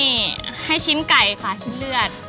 นี่ให้ชิ้นไก่ค่ะชิ้นเลือด